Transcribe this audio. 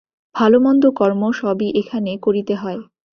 ভাল-মন্দ কর্ম সবই এখানে করিতে হয়।